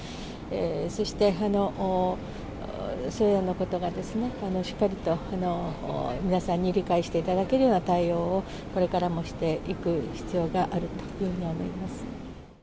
そしてそれらのことがしっかりと皆さんに理解していただけるような対応を、これからもしていく必要があるというふうに思います。